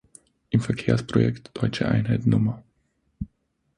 Im Verkehrsprojekt Deutsche Einheit Nr.